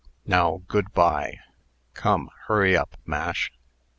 Now, good by. Come, hurry up, Mash!"